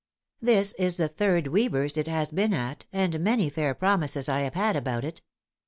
This is the third weaver's it has been at, and many fair promises I have had about it.